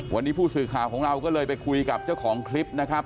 วันนี้ผู้สื่อข่าวของเราก็เลยไปคุยกับเจ้าของคลิปนะครับ